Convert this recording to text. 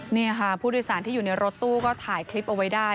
นี่ค่ะผู้โดยสารที่อยู่ในรถตู้ก็ถ่ายคลิปเอาไว้ได้